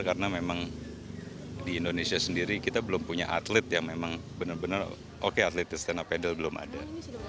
karena memang di indonesia sendiri kita belum punya atlet yang memang benar benar oke atlet stand up paddle belum ada